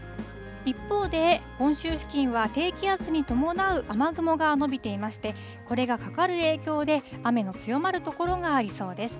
一方で、本州付近は低気圧に伴う雨雲が延びていまして、これがかかる影響で、雨の強まる所がありそうです。